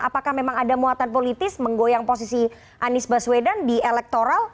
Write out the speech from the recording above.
apakah memang ada muatan politis menggoyang posisi anies baswedan di elektoral